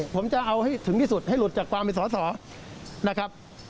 ผมจะเอาให้ถึงที่สุดให้หลุดจากความเป็นสอสอนะครับ